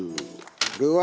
これは？